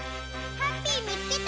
ハッピーみつけた！